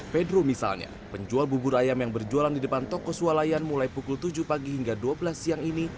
pedro misalnya penjual bubur ayam yang berjualan di depan toko sualayan mulai pukul tujuh pagi hingga dua belas siang ini